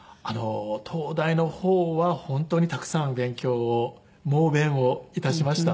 東大の方は本当にたくさん勉強を猛勉を致しました。